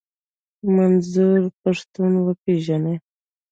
منظور پښتين و پېژنئ.